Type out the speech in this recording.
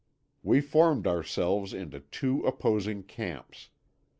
We formed ourselves into two opposing camps.